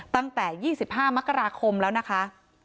ตั้งแต่๒๕มกราคมแล้วนะคะ